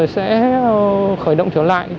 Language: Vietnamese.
sẽ khởi động trở lại